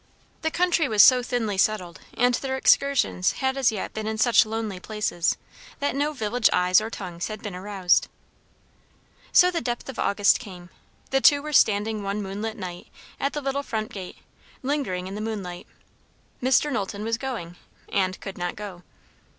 The country was so thinly settled, and their excursions had as yet been in such lonely places, that no village eyes or tongues had been aroused. So the depth of August came. The two were standing one moonlight night at the little front gate, lingering in the moonlight. Mr. Knowlton was going, and could not go.